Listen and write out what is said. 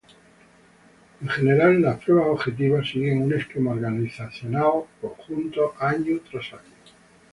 En general, las pruebas objetivas siguen un esquema organizacional conjunto año tras año.